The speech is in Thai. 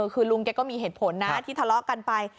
คือลุงแกก็มีเหตุผลนะที่ทะเลาะกันไป